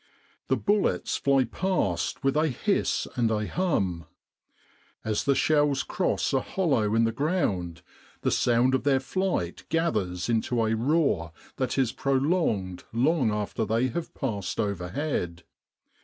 The bullets fly past with a hiss and a hum. As the shells cross a hollow in the ground, the sound of their flight gathers into a roar that is prolonged long after they have passed overhead.